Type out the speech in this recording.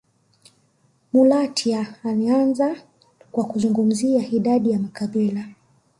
Mulatya anaanza kwa kuzungumzia idadi ya makabila